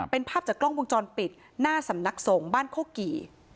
เป็นภาพจากกล้องวงจรปิดหน้าสำนักสงฆ์บ้านโคกี่